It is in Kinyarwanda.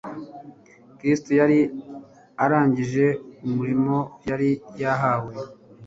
Kristo yari arangije umurimo yari yahawe.